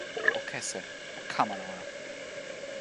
o kese, o kamalawala.